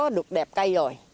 nó được đẹp cây rồi